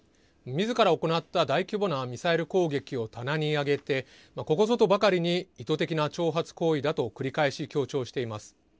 みずから行った大規模なミサイル攻撃を棚に上げてここぞとばかりに意図的な挑発行為だと繰り返し強調しています。